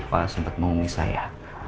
pak al sempet mau unggih saya